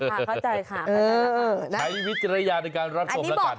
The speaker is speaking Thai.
เข้าใจค่ะใช้วิจารณญาณในการรับชมแล้วกัน